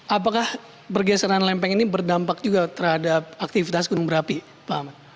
apakah pergeseran lempeng ini berdampak juga terhadap aktivitas gunung berapi pak ahmad